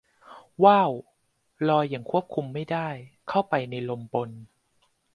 ว่าวลอยอย่างควบคุมไม่ได้เข้าไปในลมบน